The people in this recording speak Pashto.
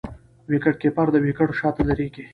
وکيټ کیپر د وکيټو شاته درېږي.